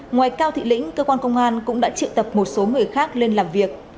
ngoài cao sĩ linh cơ quan công an cũng đã triệu tập một số người khác lên làm việc